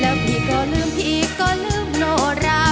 แล้วพี่ก็ลืมพี่ก็ลืมโนรา